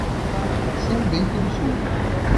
São Bento do Sul